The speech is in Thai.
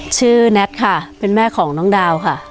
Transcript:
แน็ตค่ะเป็นแม่ของน้องดาวค่ะ